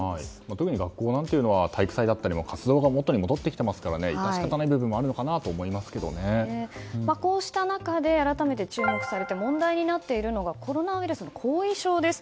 特に学校なんていうのは体育祭だったり活動が元に戻ってきているので致し方ない部分もこうした中で改めて注目されて問題になっているのがコロナウイルスの後遺症です。